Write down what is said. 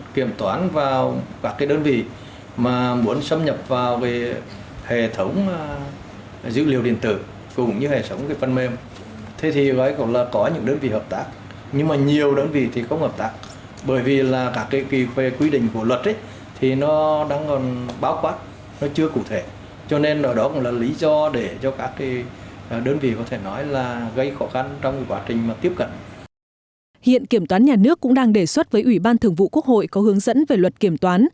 kiểm toán nhà nước cũng đang đề xuất với ủy ban thường vụ quốc hội có hướng dẫn về luật kiểm toán